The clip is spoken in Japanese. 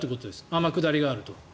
天下りがあると。